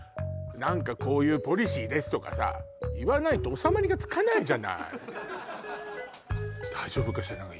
何か「こういうポリシーです」とかさ言わないと収まりがつかないじゃない大丈夫かしら？